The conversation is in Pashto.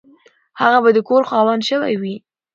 هغه به د کور خاوند شوی وي.